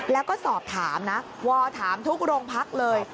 แล้วก็สอบถามนะวอถามทุกโรงพักเลย